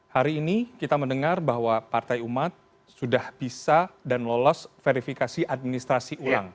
hari ini kita mendengar bahwa partai umat sudah bisa dan lolos verifikasi administrasi ulang